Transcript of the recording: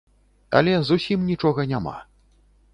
Але зусім нічога няма.